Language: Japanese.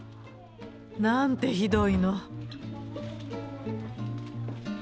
なんてひどいの。